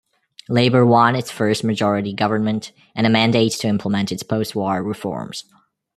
Labour won its first majority government, and a mandate to implement its postwar reforms.